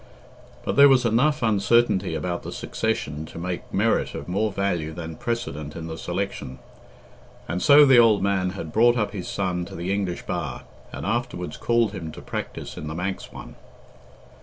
But there was enough uncertainty about the succession to make merit of more value than precedent in the selection, and so the old man had brought up his son to the English bar, and afterwards called him to practise in the Manx one.